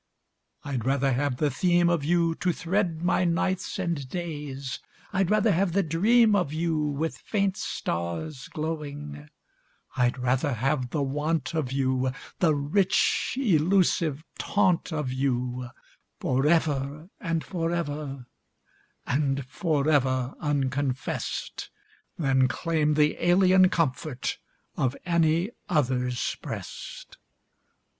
I'd rather have the theme of youTo thread my nights and days, I'd rather have the dream of youWith faint stars glowing, I'd rather have the want of you, The rich, elusive taunt of youForever and forever and forever unconfessedThan claim the alien comfortOf any other's breast.